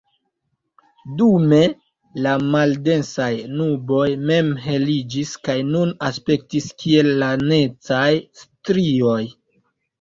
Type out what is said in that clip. Dume la maldensaj nuboj mem heliĝis kaj nun aspektis kiel lanecaj strioj.